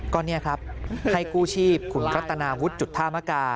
ก็นี่ครับให้กู้ชีพขุนรัตนาวุฒิจุดท่ามกา